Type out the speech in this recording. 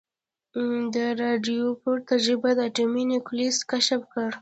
د ردرفورډ تجربه اټومي نیوکلیس کشف کړ.